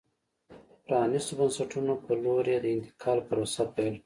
پرانیستو بنسټونو په لور یې د انتقال پروسه پیل کړه.